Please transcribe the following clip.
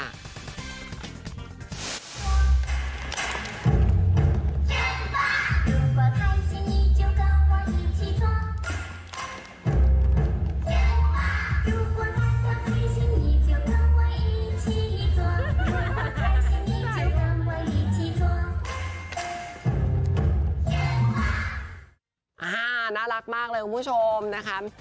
น่ารักมากเลยคุณผู้ชมนะคะ